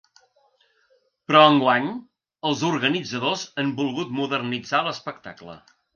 Però enguany els organitzadors han volgut modernitzar l’espectacle.